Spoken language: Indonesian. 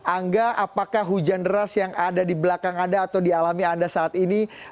angga apakah hujan deras yang ada di belakang anda atau di alami anda saat ini